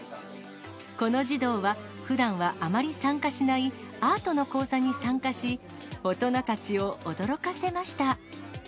この児童はふだんはあまり参加しないアートの講座に参加し、大人たちを驚かせました。